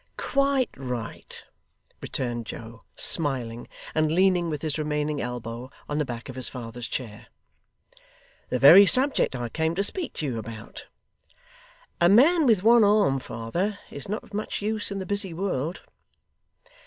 'Quite right,' returned Joe, smiling, and leaning with his remaining elbow on the back of his father's chair; 'the very subject I came to speak to you about. A man with one arm, father, is not of much use in the busy world.